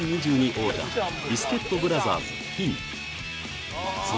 王者ビスケットブラザーズきん